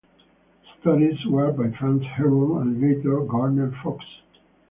Stories were by France Herron and later Gardner Fox.